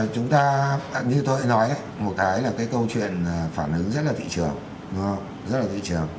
chúng ta như tôi đã nói một cái là cái câu chuyện phản ứng rất là thị trường đúng không rất là thị trường